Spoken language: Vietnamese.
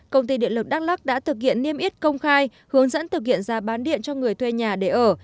công ty điện lực đắk lắc đã thực hiện niêm yết công khai hướng dẫn thực hiện giá bán điện cho người thuê nhà để ở